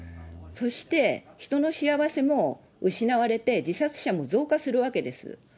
そして、人の幸せも失われて、自殺者も増加するわけです。